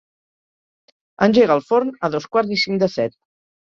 Engega el forn a dos quarts i cinc de set.